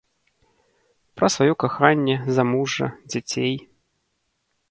Пра сваё каханне, замужжа, дзяцей.